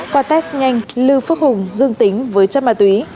qua test nhanh lưu phước hùng dương tính với chất ma túy